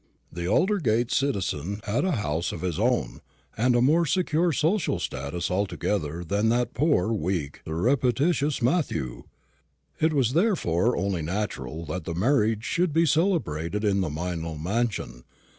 The Aldersgate citizen had a house of his own, and a more secure social status altogether than that poor, weak, surreptitious Matthew. It was therefore only natural that the marriage should be celebrated in the Meynell mansion.